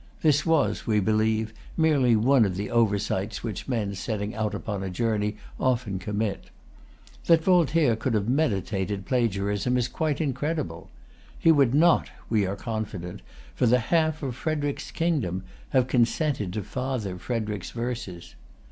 This was, we believe, merely one of the oversights which men setting out upon a journey often commit. That Voltaire could have meditated plagiarism is quite incredible. He would not, we are confident, for the half of Frederic's kingdom have consented to father Frederic's verses.